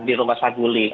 di rumah saguling